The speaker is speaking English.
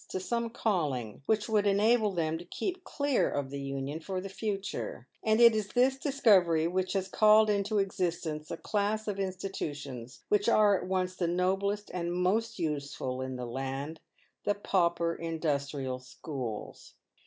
to some calling which would enable them to keep clear of the Union for the future ; and it is this discovery which has called into existence a class of institutions which are at once the noblest and most useful in the land — the Pauper Industrial Schools.